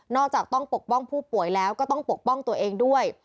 จากต้องปกป้องผู้ป่วยแล้วก็ต้องปกป้องตัวเองด้วย